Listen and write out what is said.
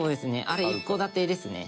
あれ一戸建てですね。